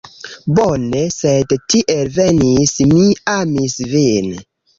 Bone, sed tiel venis, mi amis vin